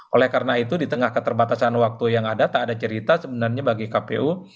oleh karena itu di tengah keterbatasan waktu yang ada tak ada cerita sebenarnya bagi kpu